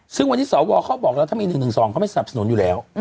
ซึ่งวันนี้สวเขาบอกแล้วถ้ามี๑๑๒เขาไม่สนับสนุนอยู่แล้ว